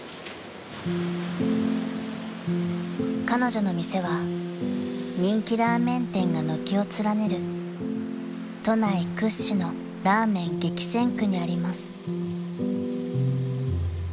［彼女の店は人気ラーメン店が軒を連ねる都内屈指のラーメン激戦区にあります］